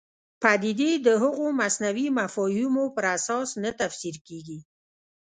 پدیدې د هغو مصنوعي مفاهیمو پر اساس نه تفسیر کېږي.